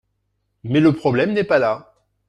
Mais le problème n’est pas là.